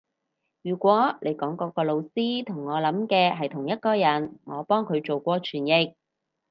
如果你講嗰個老師同我諗嘅係同一個人，我幫佢做過傳譯